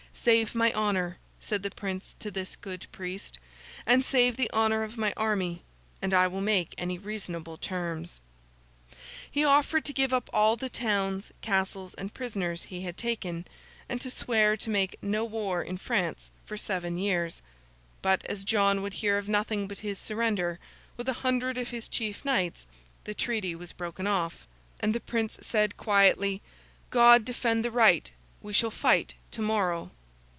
'Save my honour,' said the Prince to this good priest, 'and save the honour of my army, and I will make any reasonable terms.' He offered to give up all the towns, castles, and prisoners, he had taken, and to swear to make no war in France for seven years; but, as John would hear of nothing but his surrender, with a hundred of his chief knights, the treaty was broken off, and the Prince said quietly—'God defend the right; we shall fight to morrow.